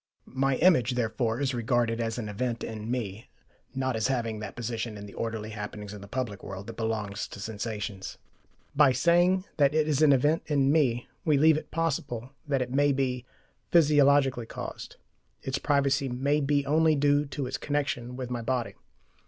My image, therefore, is regarded as an event in me, not as having that position in the orderly happenings of the public world that belongs to sensations. By saying that it is an event in me, we leave it possible that it may be PHYSIOLOGICALLY caused: its privacy may be only due to its connection with my body.